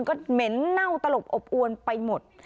ก็เหม็นเน่าตลบอบอวนไปหมด